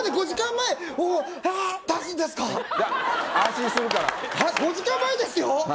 ５時間前ですよ？